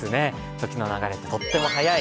時の流れってとっても早い。